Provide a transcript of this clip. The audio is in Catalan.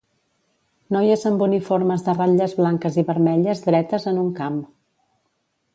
Noies amb uniformes de ratlles blanques i vermelles dretes en un camp.